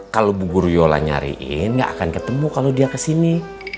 kalau bu guru yola nyariin gak akan ketemu kalau dia kesini